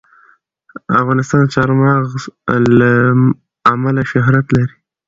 افغانستان د چار مغز له امله شهرت لري.